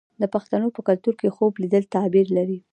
د پښتنو په کلتور کې خوب لیدل تعبیر لري.